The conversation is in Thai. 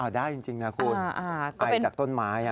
ได้จริงนะคุณไปจากต้นไม้